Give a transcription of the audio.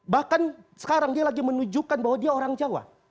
bahkan sekarang dia lagi menunjukkan bahwa dia orang jawa